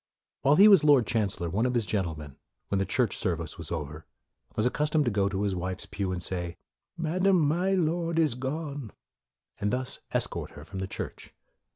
While he was Lord Chancellor, one of his gentlemen, when the church service was over, was accustomed to go to his wife's pew, and say, " Madam, my Lord is gone," and thus escort her from the church.